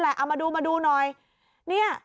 ไม่มี